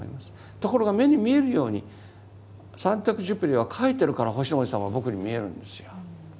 ところが目に見えるようにサン・テグジュペリは書いてるから星の王子様は僕に見えるんですよ。